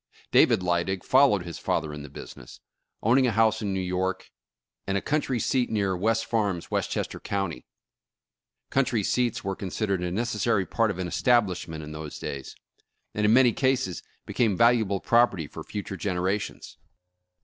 David Lydig followed his father in the business, own ing a house in New York, and a country seat near West Farms, Westchester County. Country seats were consid ered a necessary part of an establishment in those days, and in many cases became valuable property for future generations.